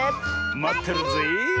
まってるぜえ。